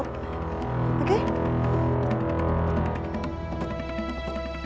please bisa kan kamu gak ikut campur